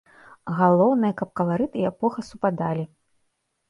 Галоўнае, каб каларыт і эпоха супадалі.